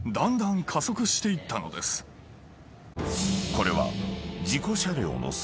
［これは］